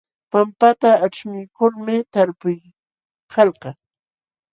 Pampata aćhmiykulmi talpuykalkaa.